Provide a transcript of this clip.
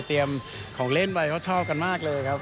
เตรียมของเล่นไว้เขาชอบกันมากเลยครับ